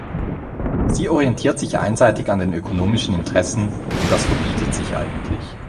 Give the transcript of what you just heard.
Sie orientiert sich einseitig an den ökonomischen Interessen, und das verbietet sich eigentlich.